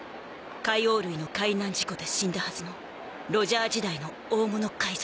海王類の海難事故で死んだはずのロジャー時代の大物海賊。